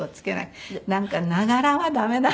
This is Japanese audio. なんかながらは駄目だ。